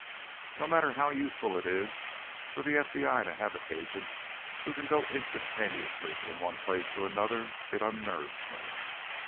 No matter how useful it is for the FBI to have an agent who can go instantaneously from one place to another, it unnerves me."